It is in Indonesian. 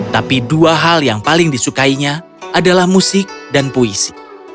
tapi dua hal yang paling disukainya adalah musik dan puisi